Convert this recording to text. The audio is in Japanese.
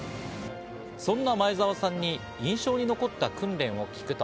そんな前澤さんに印象に残った訓練を聞くと。